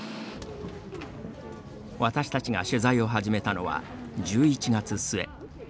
私たちが取材を始めたのは１１月末。